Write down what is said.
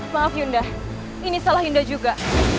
maaf yunda ini salah indah juga